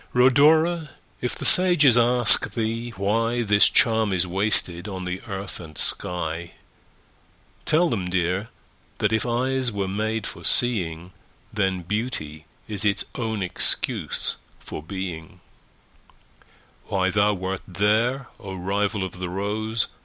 Rhodora! if the sages ask thee whyThis charm is wasted on the earth and sky, Tell them, dear, that if eyes were made for seeing, Then Beauty is its own excuse for being:Why thou wert there, O rival of the rose!